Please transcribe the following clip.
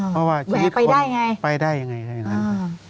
เพราะว่าคิดคนไปได้ยังไง